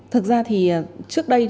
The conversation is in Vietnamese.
thực ra thì trước đây